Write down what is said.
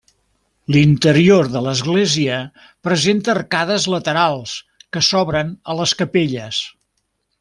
L'interior de l'església presenta arcades laterals que s'obren a les capelles.